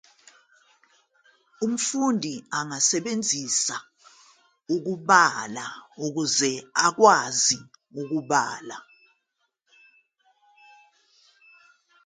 Umfundi angasebenzisa ukubala ukuze ukwazi ukubala.